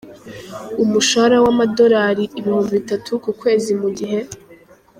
umushahara w’amadorali ibihumbi bitatu ku kwezi mu gihe